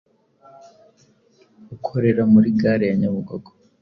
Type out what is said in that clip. ukorera muri Gare ya Nyabugogo